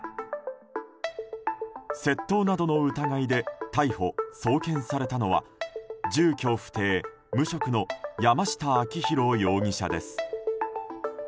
窃盗などの疑いで逮捕・送検されたのは住居不定、無職の山下晃廣容疑者です。